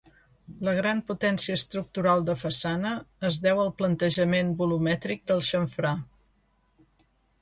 La gran potència estructural de façana es deu al plantejament volumètric del xamfrà.